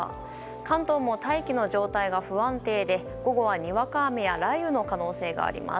関東も大気の状態が不安定で午後は、にわか雨や雷雨の可能性があります。